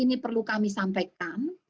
ini perlu kami sampaikan